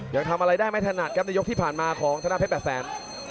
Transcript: ยังทำอะไรได้ไม่ถนัดครับในยกที่ผ่านมาของธนาเพชรแปดแสน